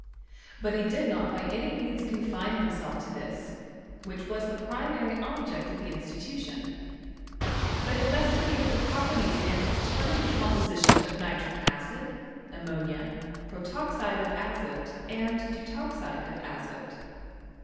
But he did not by any means confine himself to this, which was the primary object of the institution ; but investigated tlie properties and determined the composition of nitric acid, ammonia, protoxide of azote and deut oxide of aiote.